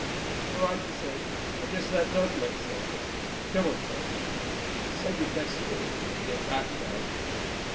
"All right," he said. "I guess that does make sense. Come on, Sandy. But save your best stories until we get back, Dad."